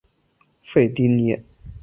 费蒂尼。